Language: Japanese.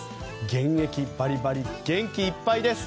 現役バリバリ元気いっぱいです。